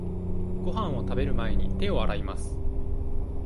ごはんを食べる前に、手を洗います。